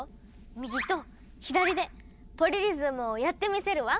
右と左でポリリズムをやってみせるわ。